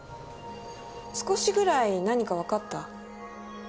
少しぐらい何かわかった？